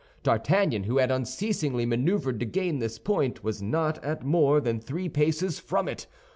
D'Artagnan, who had unceasingly maneuvered to gain this point, was not at more than three paces from it.